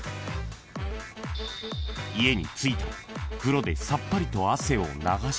［家に着いたら風呂でさっぱりと汗を流し］